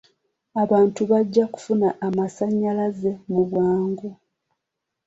Abantu bajja kufuna amasannyalaze mu bwangu.